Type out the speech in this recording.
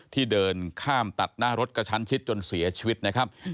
เดินข้ามตัดหน้ารถกระชั้นชิดจนเสียชีวิตนะครับ